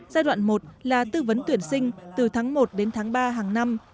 giai đoạn một là tư vấn tuyển sinh từ tháng một đến tháng ba hàng năm